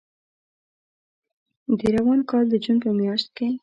د روان کال د جون په میاشت کې